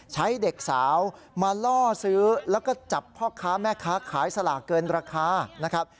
ใช้เด็กสาวมาล่อซื้อแล้วก็จับพ่อค้าแม่ค้าขายสลากเกินราคานะครับ